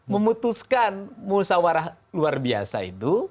memutuskan musawarah luar biasa itu